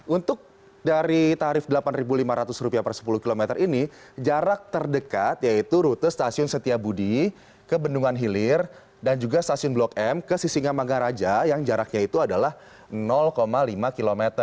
untuk dari tarif rp delapan lima ratus per sepuluh km ini jarak terdekat yaitu rute stasiun setiabudi ke bendungan hilir dan juga stasiun blok m ke sisinga manggaraja yang jaraknya itu adalah lima km